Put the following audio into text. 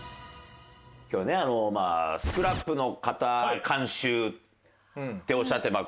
今日ねＳＣＲＡＰの方監修っておっしゃってまあ